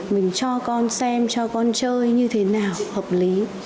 mình cho con xem cho con chơi như thế nào hợp lý